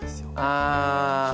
ああ！